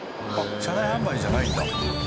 車内販売じゃないんだ。